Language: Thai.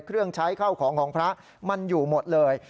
เครื่องใช้เข้าของของพระมันอยู่หมดเลย